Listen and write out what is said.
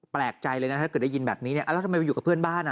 แปลกใจเลยนะถ้าเกิดได้ยินแบบนี้เนี่ยแล้วทำไมมาอยู่กับเพื่อนบ้านอ่ะ